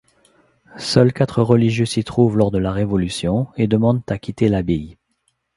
Seul quatre religieux s'y trouvent lors de la Révolution et demandent à quitter l'abbaye.